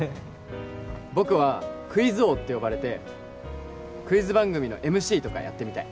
僕はクイズ王って呼ばれてクイズ番組のＭＣとかやってみたい